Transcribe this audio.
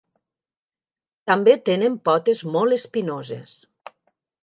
També tenen potes molt espinoses.